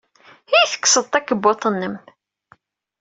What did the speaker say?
I tekkseḍ takebbuḍt-nnem?